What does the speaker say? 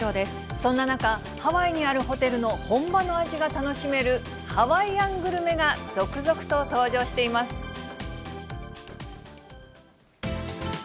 そんな中、ハワイにあるホテルの本場の味が楽しめる、ハワイアングルメが続々と登場しています。